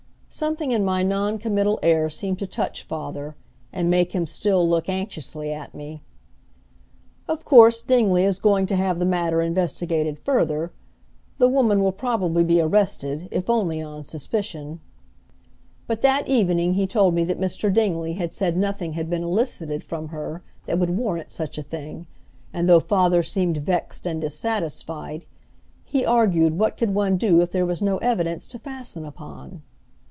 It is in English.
Something in my noncommittal air seemed to touch father, and make him still look anxiously at me. "Of course, Dingley is going to have the matter investigated further. The woman will probably be arrested, if only on suspicion." But that evening he told me that Mr. Dingley had said nothing had been elicited from her that would warrant such a thing; and though father seemed vexed and dissatisfied, he argued what could one do if there was no evidence to fasten upon?